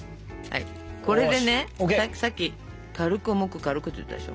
これでねさっき「軽く重く軽く」って言ったでしょ？